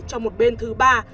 cho một bên thứ ba